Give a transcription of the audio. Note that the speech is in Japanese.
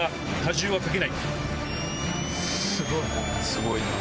すごいな。